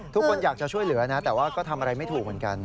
ทุกคนอยากจะช่วยเหลือนะแต่ว่าก็ทำอะไรไม่ถูกเหมือนกัน